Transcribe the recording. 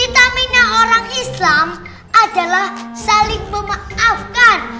stamina orang islam adalah saling memaafkan